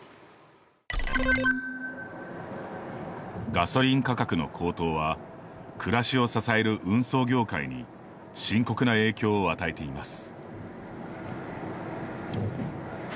ガソリン価格の高騰は暮らしを支える運送業界に深刻な影響を与えています。